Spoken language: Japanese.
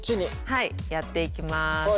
はいやっていきます。